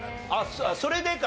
それでか！